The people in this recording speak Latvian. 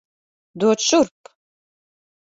Dod šurp!